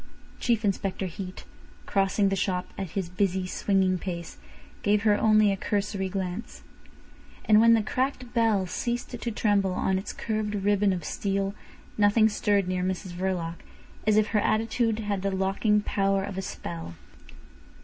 Chief Inspector Heat, crossing the shop at his busy, swinging pace, gave her only a cursory glance. And when the cracked bell ceased to tremble on its curved ribbon of steel nothing stirred near Mrs Verloc, as if her attitude had the locking power of a spell.